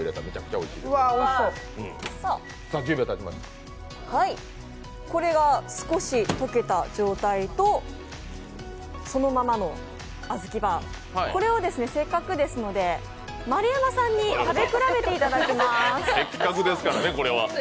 はい、これが少し溶けた状態とそのままのあずきバー、これをせっかくですので丸山さんに食べ比べてもらいます。